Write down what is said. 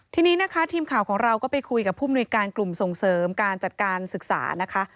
ทีนี้นะคะทีมข่าวของเราก็ไปคุยกับผู้มนุยการกลุ่มส่งเสริมการจัดการศึกษานะคะ